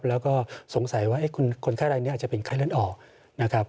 แล้วก็สงสัยว่าคนไข้รายนี้อาจจะเป็นไข้เลือดออกนะครับ